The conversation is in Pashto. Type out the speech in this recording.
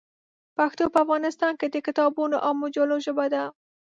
پښتو په افغانستان کې د کتابونو او مجلو ژبه ده.